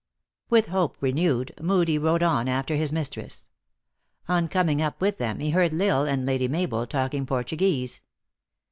With hope renewed, Moodie rode on after his mis tress. On coming up with them, he heard L Isle and Lady Mabel talking Portuguese.